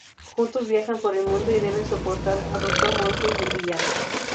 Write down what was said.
Juntos viajan por el mundo y deben soportar a Dr. Monkey, el villano.